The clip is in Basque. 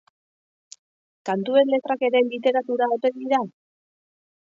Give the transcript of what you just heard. Kantuen letrak ere literatura ote dira?